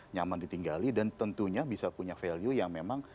nyaman ditinggali dan tentunya bisa punya value yang memang